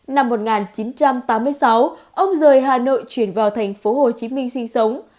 năm một nghìn chín trăm tám mươi sáu ông rời hà nội chuyển vào thành phố hồ chí minh sinh sống